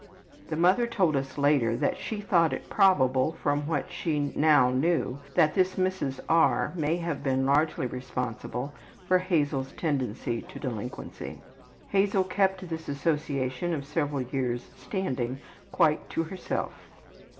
'' The mother told us later that she thought it probable from what she now knew that this Mrs. R. may have been largely responsible for Hazel's tendency to delinquency. Hazel kept this association of several years' standing quite to herself.